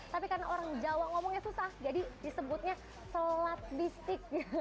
tapi karena orang jawa ngomongnya susah jadi disebutnya selat bisik